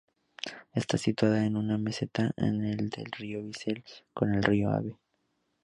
Está situada en una meseta en la del río Vizela con el río Ave.